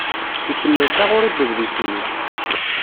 Ikemmel taɣuri n udlis-nni.